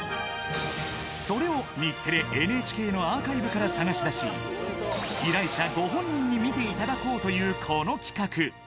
それを日テレ、ＮＨＫのアーカイブから探し出し、依頼者ご本人に見ていただこうというこの企画。